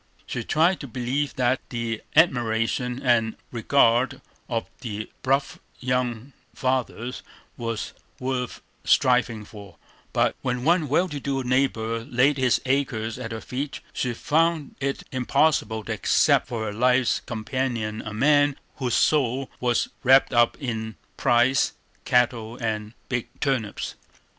She tried to believe that the admiration and regard of the bluff young farmers was worth striving for; but when one well to do neighbor laid his acres at her feet, she found it impossible to accept for her life's companion a man whose soul was wrapped up in prize cattle and big turnips.